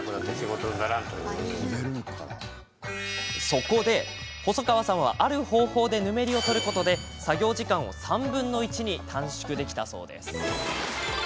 そこで細川さんは、ある方法でぬめりを取ることで作業時間を３分の１に短縮できたそうです。